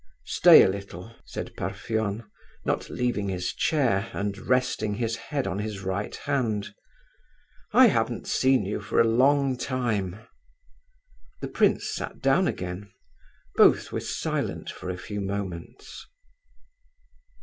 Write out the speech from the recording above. "Stay a little," said Parfen, not leaving his chair and resting his head on his right hand. "I haven't seen you for a long time." The prince sat down again. Both were silent for a few moments.